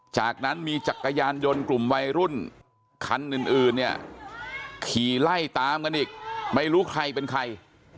จากนั้นมีจักรยานยนต์กลุ่มวัยรุ่นคันอื่นเนี่ยขี่ไล่ตามกันอีกไม่รู้ใครเป็นใคร